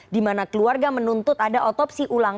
di mana keluarga menuntut ada otopsi ulang